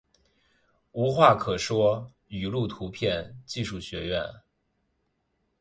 无话可说语录图片技术学院